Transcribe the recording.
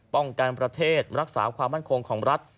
ประเทศรักษาความมั่นคงของรัฐ